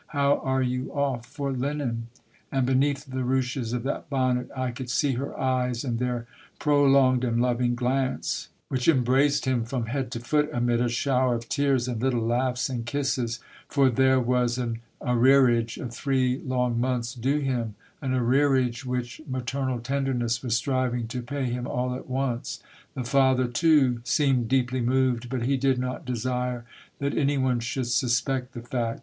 How are you off for linen?" And beneath the ruches of that bonnet I could see her eyes, and their prolonged and loving glance 40 Monday Tales. which embraced him from head to foot, amid a shower of tears and little laughs and kisses. For there was an arrearage of three long months due him, — an arrearage which maternal tenderness was striving to pay him all at once. The father too seemed deeply moved, but he did not desire that any one should suspect the fact.